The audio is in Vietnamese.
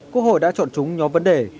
quốc hội đã chọn chúng nhóm vấn đề